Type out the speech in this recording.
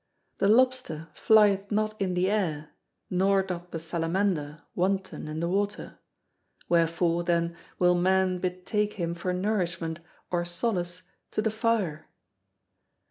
The lobster flieth not in the air, nor doth the salamander wanton in the water; wherefore, then, will man betake him for nourishment or solace to the fire?